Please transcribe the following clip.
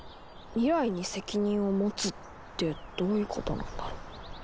未来に責任を持つってどういうことなんだろう。